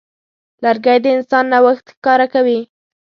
لرګی د انسان نوښت ښکاره کوي.